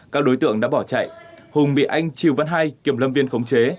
các đối tượng đã bỏ chạy hùng bị anh triều văn hai kiểm lâm viên khống chế